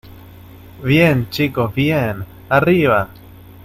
¡ bien, chicos , bien! ¡ arriba !